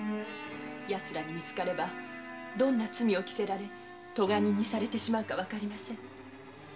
やつらにみつかればどんな罪を着せられ咎人にされてしまうかわかりません。